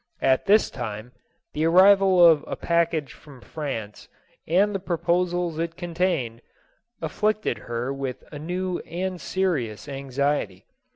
At this time, the arrival of a package from France and the proposals it contained, afflicted her with a new and serious anxiety.